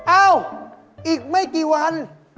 เอ้าอีกไม่กี่วัน